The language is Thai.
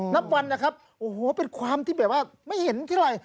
นับวันนะครับโอ้โหเป็นความที่แบบว่าไม่เห็นที่ไร